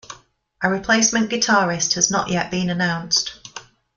A replacement guitarist has not yet been announced.